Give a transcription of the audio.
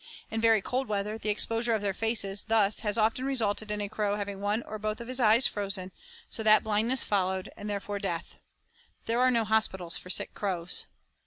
In very cold weather the exposure of their faces thus has often resulted in a crow having one or both of his eyes frozen, so that blindness followed and therefore death. There are no hospitals for sick crows.